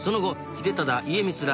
秀忠家光ら